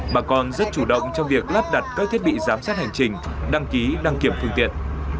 bà con rất chủ động trong việc lắp đặt các thiết bị giám sát hành trình đăng ký đăng kiểm phương tiện